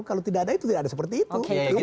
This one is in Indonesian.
kalau tidak ada itu tidak ada seperti itu